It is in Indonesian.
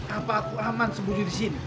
apa aku aman sembunyi disini